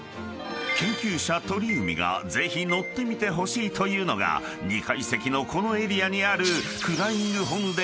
［研究者鳥海がぜひ乗ってみてほしいというのが２階席のこのエリアにあるフライングホヌで］